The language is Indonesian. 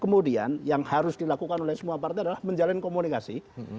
kemudian yang harus dilakukan oleh semua partai adalah menjalin komunikasi